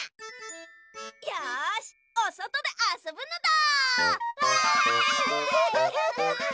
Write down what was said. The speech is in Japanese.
よしおそとであそぶのだ！